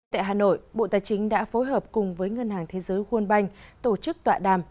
tại hà nội bộ tài chính đã phối hợp cùng với ngân hàng thế giới world bank tổ chức tọa đàm